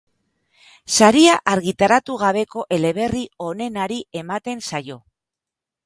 Saria argitaratu gabeko eleberri onenari ematen zaio.